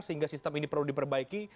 sehingga sistem ini perlu diperbaiki